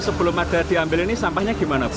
sebelum ada diambil ini sampahnya gimana bu